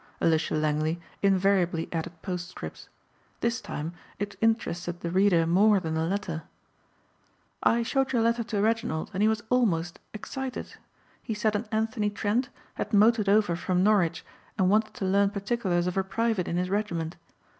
Alicia Langley invariably added postscripts. This time it interested the reader more than the letter. "I showed your letter to Reginald and he was almost excited. He said an Anthony Trent had motored over from Norwich and wanted to learn particulars of a private in his regiment.